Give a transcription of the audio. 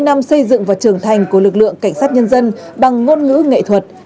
bảy mươi năm xây dựng và trưởng thành của lực lượng cảnh sát nhân dân bằng ngôn ngữ nghệ thuật